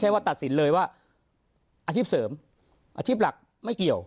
ว่าตัดสินเลยว่าอาชีพเสริมอาชีพหลักไม่เกี่ยว